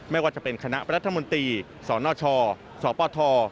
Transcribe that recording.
ไม่ว่าจะเป็นคณะประธรรมนตรีสอนอช่อสอปท